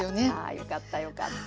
よかったよかった。